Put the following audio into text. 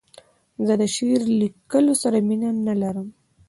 زه د شعر لیکلو سره مینه نه لرم.